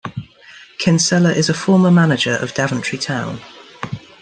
Kinsella is a former manager of Daventry Town.